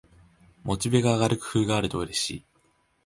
モチベが上がる工夫があるとうれしい